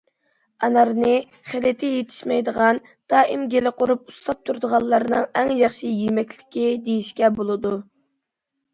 ئانارنى خىلىتى يېتىشمەيدىغان، دائىم گېلى قۇرۇپ ئۇسساپ تۇرىدىغانلارنىڭ ئەڭ ياخشى يېمەكلىكى، دېيىشكە بولىدۇ.